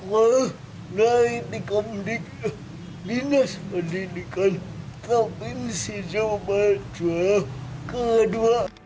lalu nari dikondisi di nes pendidikan provinsi jawa barat juara kedua